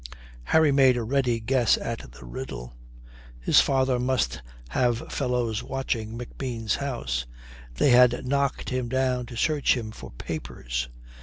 Harry made a ready guess at the riddle. His father must have fellows watching McBean's house. They had knocked him down to search him for papers.